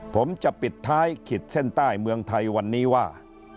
ผมจะปิดท้ายขีดเส้นใต้เมืองไทยวันนี้ว่า